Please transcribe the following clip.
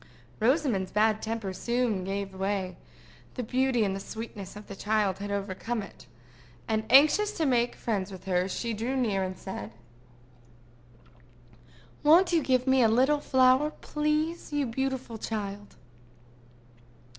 Rosamond's bad temper soon gave way: the beauty and sweetness of the child had overcome it; and, anxious to make friends with her, she drew near, and said: "Won't you give me a little flower, please, you beautiful child?"